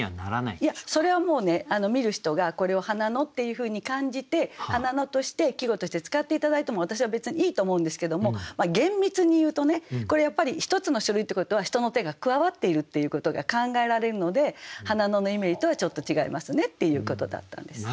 いやそれはもう見る人がこれを「花野」っていうふうに感じて「花野」として季語として使って頂いても私は別にいいと思うんですけども厳密に言うとねこれやっぱり１つの種類ってことは人の手が加わっているっていうことが考えられるので「花野」のイメージとはちょっと違いますねっていうことだったんです。